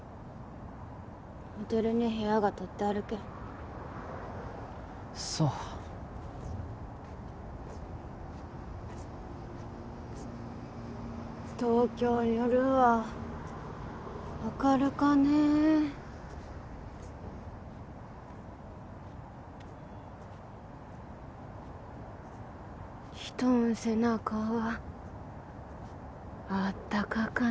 ホテルに部屋が取ってあるけんそう東京ん夜は明るかねえ人ん背中はあったかかね